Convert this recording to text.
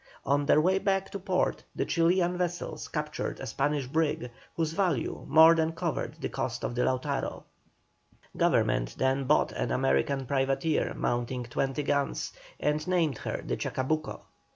On their way back to port the Chilian vessels captured a Spanish brig, whose value more than covered the cost of the Lautaro. Government then bought an American privateer mounting 20 guns, and named her the Chacabuco.